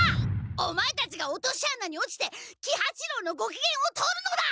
オマエたちが落とし穴に落ちて喜八郎のごきげんを取るのだ！